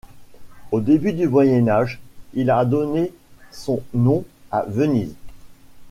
Au début du Moyen Âge, il a donné son nom à Venise.